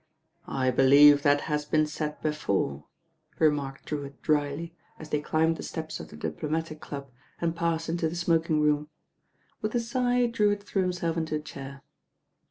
"I believe that has been said before," remarked Drewitt drily, as they climbed the steps of the Diplo matic Club and passed into the smoking room. With a sigh Drewitt threw himself into a chair.